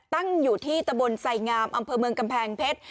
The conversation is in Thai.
ตั้งอยู่ที่ตะบนไสงามอำเภอเมืองกำแพงเพชร